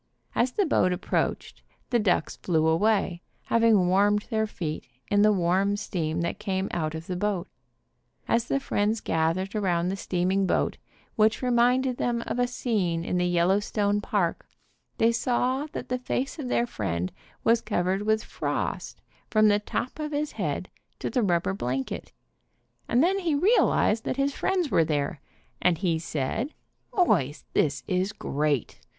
As the boats approached, the ducks flew away, hav ing warmed their feet in the warm steam that came out of the boat. As the friends gathered around the steaming boat, which reminded them of a scene in the Yellowstone park, they saw that the face of their friend was covered with frost from the top of his head to the rubber blanket, and then he realized that his friends were there and he said, "Boys, this is great.